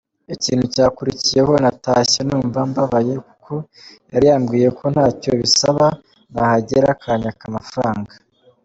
Ikintu cyakurikiyeho natashye numva mbabaye kuko yari yambwiye ko ntacyo bisaba nahagera akanyaka amafranga.